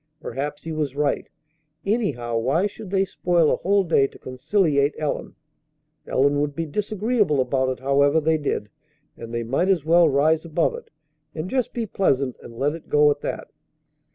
Perhaps he was right. Anyhow, why should they spoil a whole day to conciliate Ellen? Ellen would be disagreeable about it, however they did; and they might as well rise above it, and just be pleasant, and let it go at that.